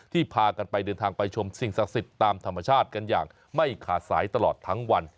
พากันไปเดินทางไปชมสิ่งศักดิ์สิทธิ์ตามธรรมชาติกันอย่างไม่ขาดสายตลอดทั้งวัน